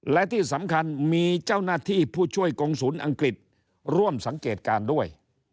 และที่สำคัญมีเจ้าหน้าที่ผู้ช่วยกงศูนย์อังกฤษร่วมสังเกตการณ์ด้วย